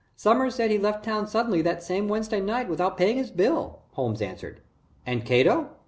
Sommers says he left town suddenly that same Wednesday night, without paying his bill," Holmes answered. "And Cato?"